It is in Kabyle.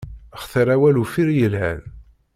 Xtir awal uffir yelhan!